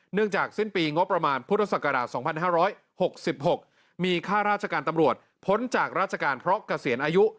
จากสิ้นปีงบประมาณพุทธศักราช๒๕๖๖มีค่าราชการตำรวจพ้นจากราชการเพราะเกษียณอายุ